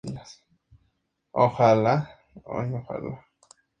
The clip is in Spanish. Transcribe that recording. De fondo se oyen las voces de sus hijos que juegan.